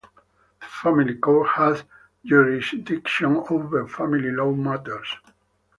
The Family Court has jurisdiction over family law matters.